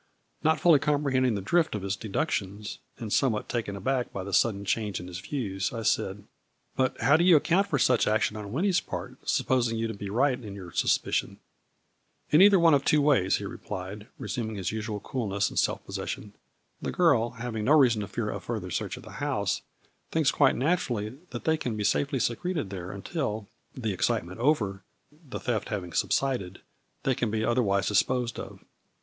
Not fully comprehending the drift of his deductions, and somewhat taken aback by the sudden change in his views, I said :" But how do you account for such action on Winnie's part, supposing you to be right in your suspicion ?" "In either one of two ways," he replied, re suming his usual coolness and self possession. " The girl, having no reason to fear a further search at the house, thinks quite naturally that they can be safely secreted there until, the ex 8$ A FL UBli T IN DIAMONDS. citement over, the theft having subsided, they can be otherwise disposed of.